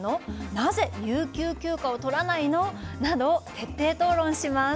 「なぜ有給休暇をとらないの？」などを徹底討論します。